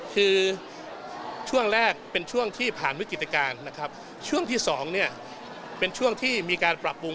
คือช่วงแรกเป็นช่วงที่ผ่านวิกฤตการณ์นะครับช่วงที่สองเนี่ยเป็นช่วงที่มีการปรับปรุง